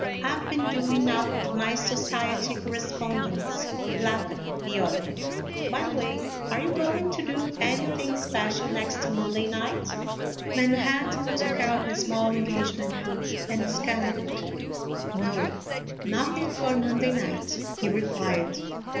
" I Ve been doing up my society correspondence," laughed the other ;" by the way, are you going to do anything special next Monday night ?" 234 A HALLOWE'EN PARTY. Manhattan took out a small engagement book and scanned it. " No, nothing for Monday night," he replied.